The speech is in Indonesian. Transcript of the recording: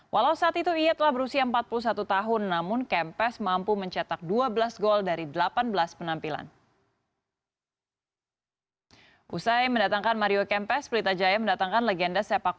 walau saat itu ia telah berusia empat puluh satu tahun namun kempes mampu mencetak dua belas gol dari delapan belas penampilan